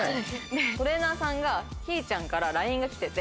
トレーナーさんがひぃちゃんからＬＩＮＥが来てて。